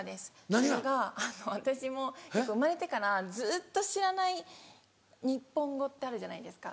それが私も生まれてからずっと知らない日本語ってあるじゃないですか。